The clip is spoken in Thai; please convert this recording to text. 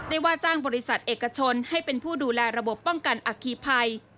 ว่าจ้างบริษัทเอกชนให้เป็นผู้ดูแลระบบป้องกันอัคคีภัย